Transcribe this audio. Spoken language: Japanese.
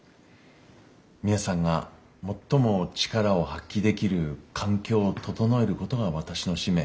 皆さんが最も力を発揮できる環境を整えることが私の使命。